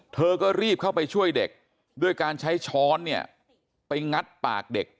เธอก็รีบเข้าไปช่วยเด็กด้วยการใช้ช้อนเนี่ยไปงัดปากเด็ก